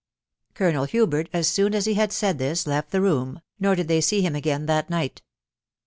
Colonel Hubert, us bouu as he had said this, left she jssss, nor did they see him again that night.